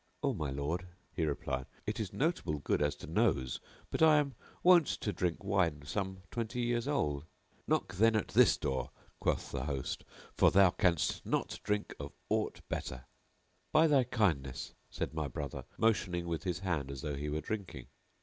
"O my lord," he replied, "it is notable good as to nose but I am wont to drink wine some twenty years old." "Knock then at this door,"[FN#692] quoth the host "for thou canst not drink of aught better." "By thy kindness," said my brother, motioning with his hand as though he were drinking.